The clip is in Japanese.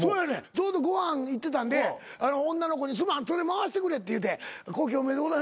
ちょうどご飯行ってたんで「女の子にすまんそれ回してくれ」って言うて「古希おめでとうございます」